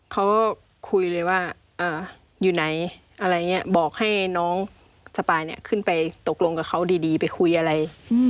เขาคุยเลยว่าอยู่ไหนบอกให้น้องสปายขึ้นไปตกลงกับเขาดีไปคุยอะไร